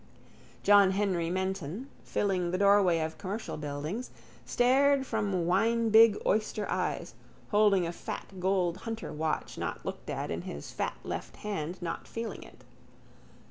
John Henry Menton, filling the doorway of Commercial Buildings, stared from winebig oyster eyes, holding a fat gold hunter watch not looked at in his fat left hand not feeling it.